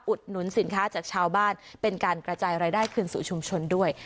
หนุนสินค้าจากชาวบ้านเป็นการกระจายรายได้คืนสู่ชุมชนด้วย